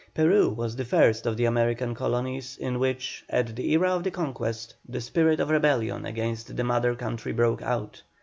Peru was the first of the American colonies in which, at the era of the Conquest, the spirit of rebellion against the Mother Country broke out.